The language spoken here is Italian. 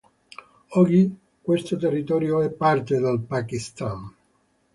Oggi questo territorio è parte del Pakistan.